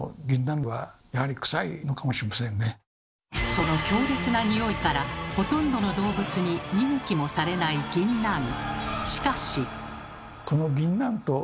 その強烈なニオイからほとんどの動物に見向きもされないぎんなん。